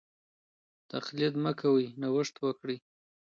تقليد مه کوئ نوښت وکړئ.